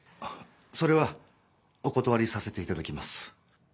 それはお断りさせていただきます。